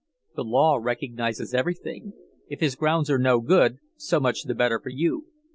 "The law recognizes everything. If his grounds are no good, so much the better for you."